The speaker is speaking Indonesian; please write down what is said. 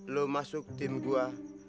lu masuk tim gua